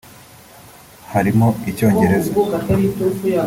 harimo Icyongereza